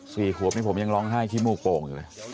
สี่ขวบนี่ผมยังร้องไห้ขี้มูกโป่งอยู่เลย